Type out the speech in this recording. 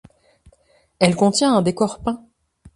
Elle contient un décor peint.